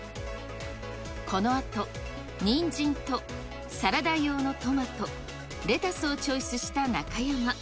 このあと、ニンジンとサラダ用のトマト、レタスをチョイスした中山。